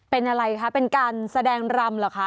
เป็นอะไรคะเป็นการแสดงรำเหรอคะ